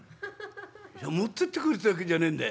「持ってってくれってわけじゃねえんだよ。